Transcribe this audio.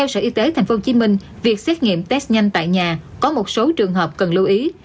sở y tế tp hcm việc xét nghiệm test nhanh tại nhà có một số trường hợp cần lưu ý